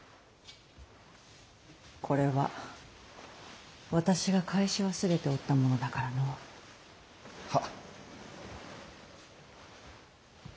これは私が返し忘れておったものだからの。は。